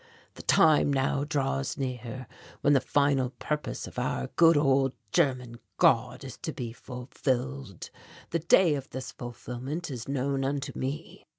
"The time now draws near when the final purpose of our good old German God is to be fulfilled. The day of this fulfilment is known unto me.